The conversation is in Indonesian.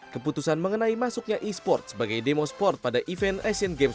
keputusan mengenai masuknya e sport sebagai demo sport pada event asian games dua ribu delapan belas